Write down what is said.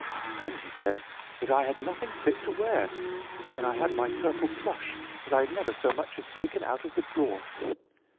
And he said that I had nothing fit to wear, when I had my purple plush that I had never so much as taken out of the drawer.